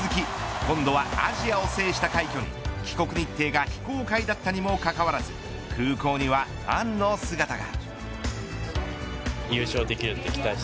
国際大会のネーションズリーグ銅メダルに続き今度はアジアを制した快挙に帰国日程が非公開だったにもかかわらず空港にはファンの姿が。